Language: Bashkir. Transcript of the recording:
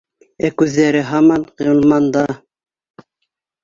Ә күҙҙәре һаман Ғилманда